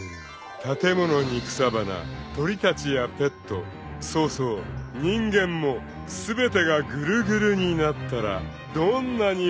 ［建物に草花鳥たちやペットそうそう人間も全てがぐるぐるになったらどんなに美しいでしょう］